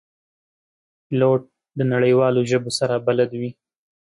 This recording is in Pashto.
پیلوټ د نړیوالو ژبو سره بلد وي.